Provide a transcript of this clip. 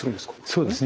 そうですね。